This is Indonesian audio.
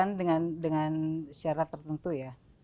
ya pastikan dengan syarat tertentu ya